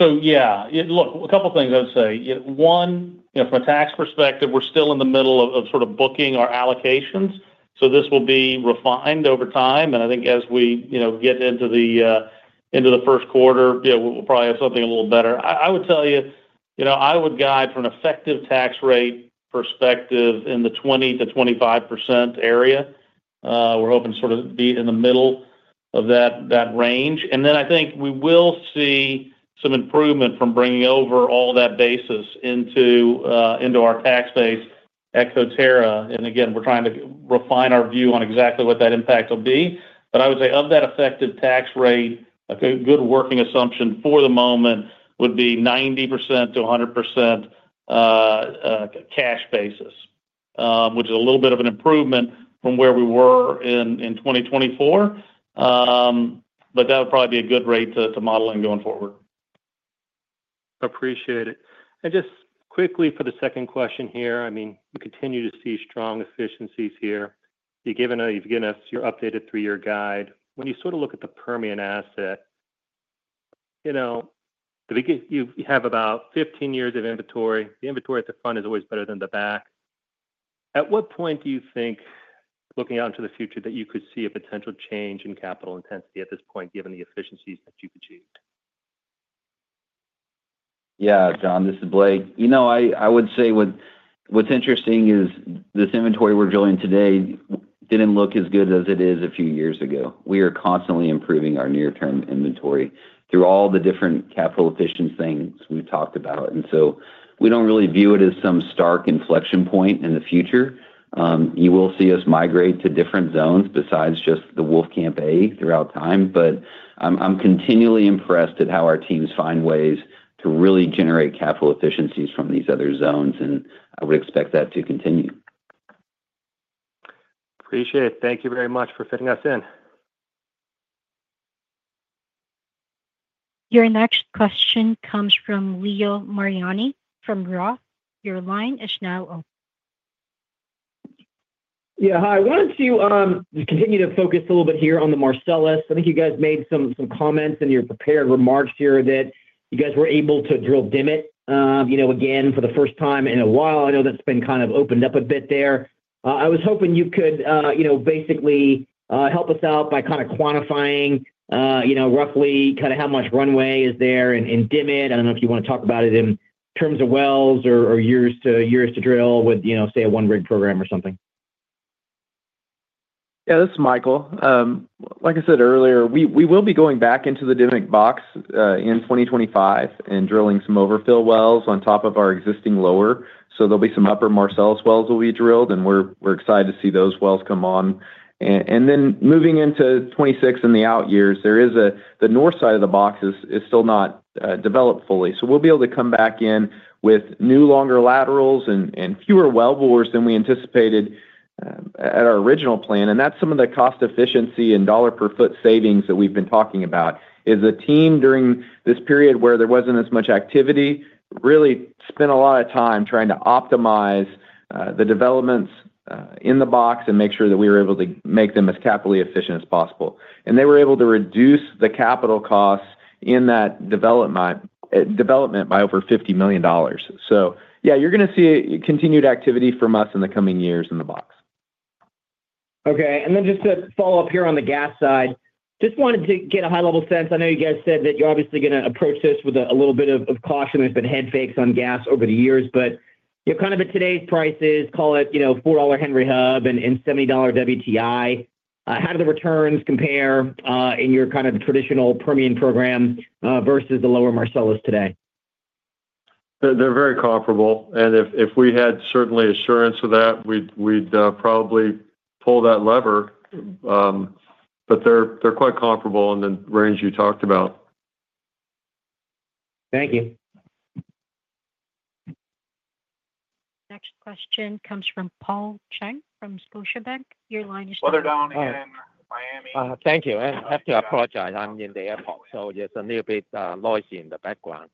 D: So yeah, look, a couple of things I would say. One, from a tax perspective, we're still in the middle of sort of booking our allocations. So this will be refined over time. And I think as we get into the first quarter, we'll probably have something a little better. I would tell you, I would guide from an effective tax rate perspective in the 20%-25% area. We're hoping to sort of be in the middle of that range. And then I think we will see some improvement from bringing over all that basis into our tax base at Coterra. And again, we're trying to refine our view on exactly what that impact will be. But I would say of that effective tax rate, a good working assumption for the moment would be 90%-100% cash basis, which is a little bit of an improvement from where we were in 2024. But that would probably be a good rate to model and going forward.
Q: Appreciate it. And just quickly for the second question here, I mean, we continue to see strong efficiencies here. You've given us your updated three-year guide. When you sort of look at the Permian asset, you have about 15 years of inventory. The inventory at the front is always better than the back. At what point do you think, looking out into the future, that you could see a potential change in capital intensity at this point, given the efficiencies that you've achieved?
E: Yeah. John, this is Blake. I would say what's interesting is this inventory we're drilling today didn't look as good as it is a few years ago. We are constantly improving our near-term inventory through all the different capital efficiency things we've talked about. And so we don't really view it as some stark inflection point in the future. You will see us migrate to different zones besides just the Wolfcamp A throughout time. But I'm continually impressed at how our teams find ways to really generate capital efficiencies from these other zones. And I would expect that to continue.
Q: Appreciate it. Thank you very much for fitting us in.
A: Your next question comes from Leo Mariani from Roth. Your line is now open.
R: Yeah. Hi. I wanted to continue to focus a little bit here on the Marcellus. I think you guys made some comments in your prepared remarks here that you guys were able to drill Dimock again for the first time in a while. I know that's been kind of opened up a bit there. I was hoping you could basically help us out by kind of quantifying roughly kind of how much runway is there in Dimock. I don't know if you want to talk about it in terms of wells or years to drill with, say, a one-rig program or something.
G: Yeah. This is Michael. Like I said earlier, we will be going back into the Dimock Box in 2025 and drilling some overfill wells on top of our existing lower, so there'll be some upper Marcellus wells that will be drilled, and we're excited to see those wells come on, and then moving into 2026 and the out years, the north side of the box is still not developed fully, so we'll be able to come back in with new longer laterals and fewer wellbores than we anticipated at our original plan. That's some of the cost efficiency and dollar per foot savings that we've been talking about, is the team during this period where there wasn't as much activity really spent a lot of time trying to optimize the developments in the box and make sure that we were able to make them as capital efficient as possible. They were able to reduce the capital costs in that development by over $50 million. Yeah, you're going to see continued activity from us in the coming years in the box.
R: Okay. And then just to follow up here on the gas side, just wanted to get a high-level sense. I know you guys said that you're obviously going to approach this with a little bit of caution. There's been head fakes on gas over the years. But kind of at today's prices, call it $4 Henry Hub and $70 WTI, how do the returns compare in your kind of traditional Permian program versus the Lower Marcellus today?
C: They're very comparable. And if we had certain assurance of that, we'd probably pull that lever. But they're quite comparable in the range you talked about.
R: Thank you.
A: Next question comes from Paul Cheng from Scotiabank. Your line is now. Weather down again, Miami.
S: Thank you. And I have to apologize. I'm in the airport, so just a little bit noisy in the background.